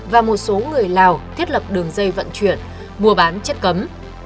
và một số người lào thiết lập đường dây vận chuyển mua bán chất cấm